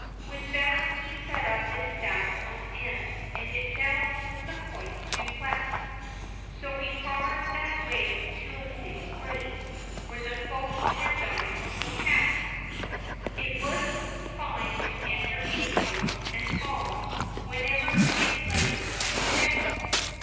XVII. With that, he set up his staff on end, And it fell with the point due West; So we far'd that way to a city great, Where the folks had died of the pest It was fine to enter in house and hall, Wherever it liked me best!